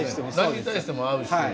何に対しても合うし。